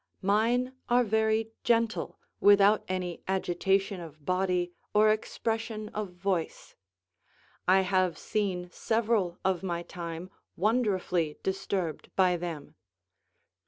Mine are very gentle, without any agitation of body or expression of voice. I have seen several of my time wonderfully disturbed by them.